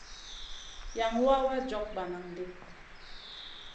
Yan wawa jog bananʼ ɗi.